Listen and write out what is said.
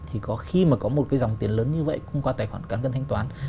thì có khi mà có một cái dòng tiền lớn như vậy cũng qua tài khoản cá nhân thanh toán